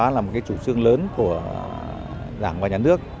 văn hóa là một chủ trương lớn của đảng và nhà nước